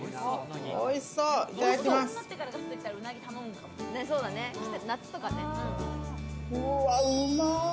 おいしそう。